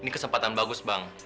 ini kesempatan bagus bang